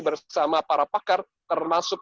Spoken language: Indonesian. bersama para pakar termasuk